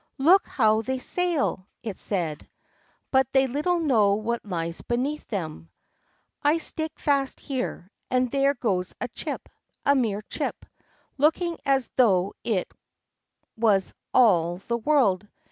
"Look how they sail!" it said. "But they little know what lies beneath them. I stick fast here, and there goes a chip, a mere chip, looking as if it thought it was all the world.